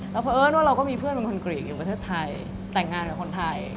เพราะเอิญว่าเราก็มีเพื่อนเป็นคอนกรีตอยู่ประเทศไทยแต่งงานกับคนไทย